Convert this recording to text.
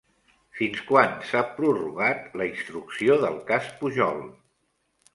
Fins quan s'ha prorrogat la instrucció del cas Pujol?